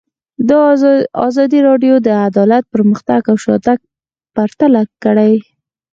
ازادي راډیو د عدالت پرمختګ او شاتګ پرتله کړی.